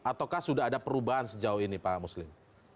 ataukah sudah ada perubahan sejauh ini pak muslim